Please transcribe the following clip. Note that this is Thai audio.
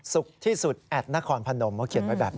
ที่สุดแอดนครพนมเขาเขียนไว้แบบนี้